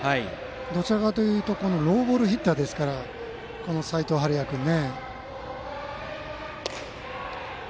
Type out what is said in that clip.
どちらかというとローボールヒッターなのでこの齋藤敏哉君は。